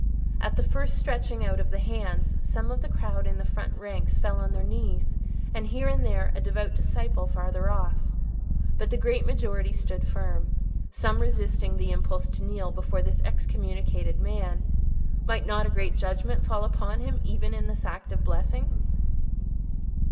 At the first stretching out of the hands some of the crowd in the front ranks fell on their knees, and here and there a devout disciple farther off; but the great majority stood firm, some resisting the impulse to kneel before this excommunicated man (might not a great judgment fall upon him even in this act of blessing?)